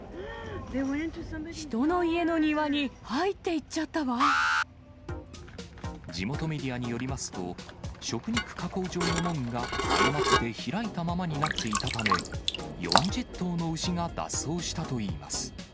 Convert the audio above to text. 人の家の庭に入っていっちゃ地元メディアによりますと、食肉加工場の門が誤って開いたままになっていたため、４０頭の牛が脱走したといいます。